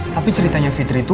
tapi ceritanya fitri itu